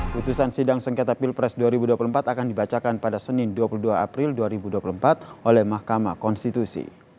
putusan sidang sengketa pilpres dua ribu dua puluh empat akan dibacakan pada senin dua puluh dua april dua ribu dua puluh empat oleh mahkamah konstitusi